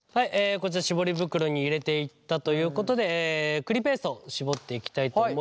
こちら絞り袋に入れていったということで栗ペーストを絞っていきたいと思いますけども。